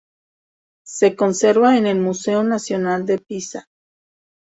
Se conserva en el Museo Nacional de Pisa.